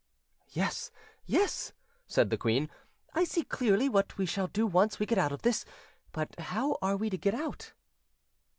"Yes, yes," said the queen; "I see clearly what we shall do once we get out of this; but how are we to get out?"